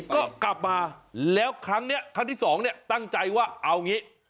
ก็กลับมาแล้วครั้งนี้ครั้งที่สองเนี่ยตั้งใจว่าเอางี้